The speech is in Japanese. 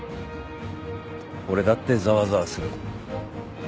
俺だってざわざわする。